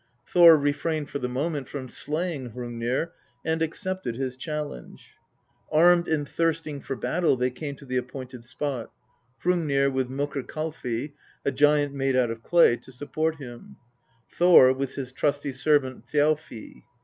Thor refrained for the moment from slaying Hrungnir, and accepted his challenge. Armed and thirsting for battle they came to the appointed spot Hrungnir with Mokkr kalfi, a giant made out of clay, to support him ; Thor, with his trusty servant Thjalfii.